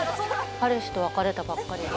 彼氏と別れたばっかりで。